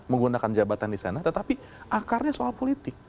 menggunakan jabatan disana tetapi akarnya soal politik